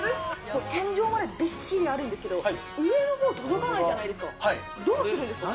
これ天井までびっしりあるんですけど上の方届かないじゃないですかどうするんですか？